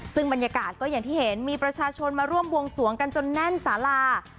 ซึ่งบรรยากาศก็อย่างที่เห็นมีประชาชนมาร่วมบวงสวงกันจนแน่นสารา